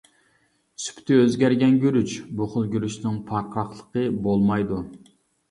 سۈپىتى ئۆزگەرگەن گۈرۈچ: بۇ خىل گۈرۈچنىڭ پارقىراقلىقى بولمايدۇ.